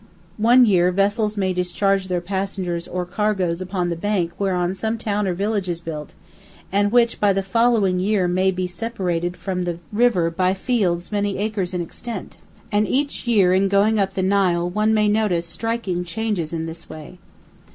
One year vessels may discharge their passengers or cargoes upon the bank whereon some town or village is built, and which the following year may be separated from the river by fields many acres in extent; and each year in going up the Nile one may notice striking changes in this way.